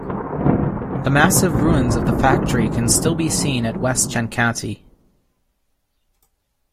The massive ruins of the factory can still be seen at west Chandkati.